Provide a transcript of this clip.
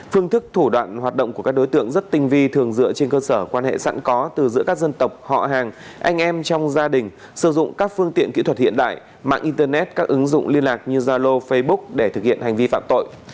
phương thức thủ đoạn hoạt động của các đối tượng rất tinh vi thường dựa trên cơ sở quan hệ sẵn có từ giữa các dân tộc họ hàng anh em trong gia đình sử dụng các phương tiện kỹ thuật hiện đại mạng internet các ứng dụng liên lạc như zalo facebook để thực hiện hành vi phạm tội